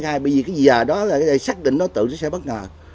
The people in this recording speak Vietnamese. từ bấy giờ đó là xác định nó tự sẽ bất ngờ